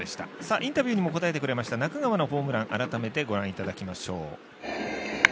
インタビューにも答えてくれました中川のホームラン改めてご覧いただきましょう。